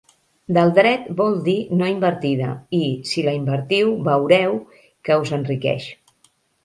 Del dret vol dir no invertida, i si la invertiu veureu que us enriqueix.